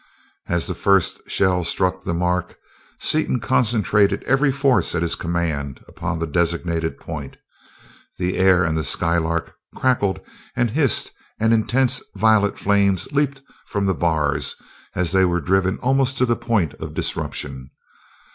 As the first shell struck the mark, Seaton concentrated every force at his command upon the designated point. The air in the Skylark crackled and hissed and intense violet flames leaped from the bars as they were driven almost to the point of disruption.